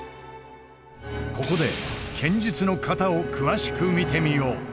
ここで剣術の型を詳しく見てみよう。